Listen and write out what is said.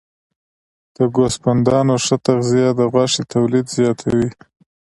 د ګوسفندانو ښه تغذیه د غوښې تولید زیاتوي.